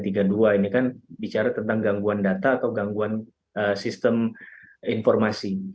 ini kan bicara tentang gangguan data atau gangguan sistem informasi